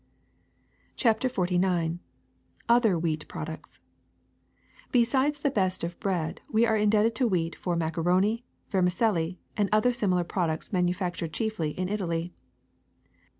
ii B CHAPTER XLIX OTHER WHEAT PRODUCTS ESIDES the best of bread, we are indebted to wheat for macaroni, vermicelli, and other simi lar products manufactured chiefly in Italy.''